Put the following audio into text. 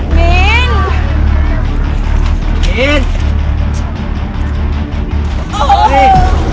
เปิดโฟมไทยไร้